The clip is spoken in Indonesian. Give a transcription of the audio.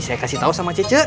saya kasih tahu sama cece